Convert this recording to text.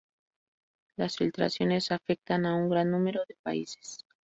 Las filtraciones afectan a un gran número de países.